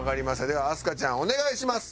では明日香ちゃんお願いします。